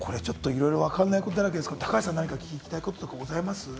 わからないことだらけですけど、高橋さん、聞きたいことあります？